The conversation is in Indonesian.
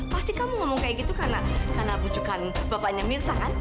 pasti kamu ngomong kayak gitu karena bujukan bapaknya mirsa kan